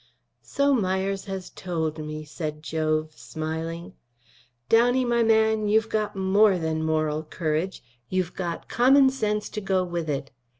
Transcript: "So Myers has told me," said Jove, smiling. "Downey, my man, you've got more than moral courage. You've got common sense to go with it.